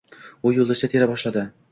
U yulduzcha tera boshladi